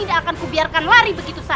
dan kalau saya menerima pembentukmu